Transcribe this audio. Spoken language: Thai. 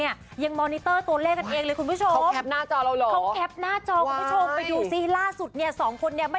ตายังมองชื่นชมแค่เพียงดอกไม้